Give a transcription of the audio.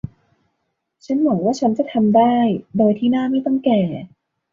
ฉันหวังว่าฉันจะทำได้โดยที่หน้าไม่ต้องแก่